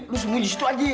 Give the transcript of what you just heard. lu sembunyi di situ aja ya